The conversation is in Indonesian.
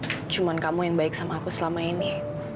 selain papa cuman kamu yang baik sama aku selama ini